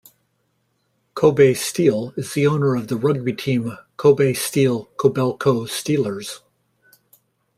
Kobe Steel is the owner of the rugby team Kobe Steel Kobelco Steelers.